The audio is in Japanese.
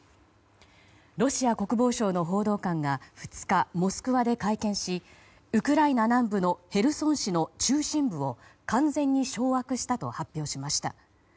ロシア国防省の報道官が２日モスクワで会見しウクライナ南部のヘルソン市の中心部を完全に掌握したと発表しました。